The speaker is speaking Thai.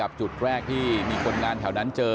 กับจุดแรกที่คนกลานแถวนั้นเจอ